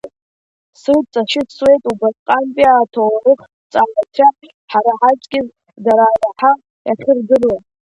Срыҵашьыцуеит убасҟантәи аҭоурыхҭҵааҩцәа ҳара ҳаҵкыс дара иаҳа иахьырдыруа.